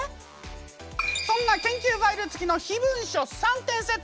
そんな研究ファイルつきの秘文書３点セット！